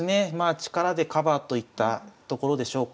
力でカバーといったところでしょうか。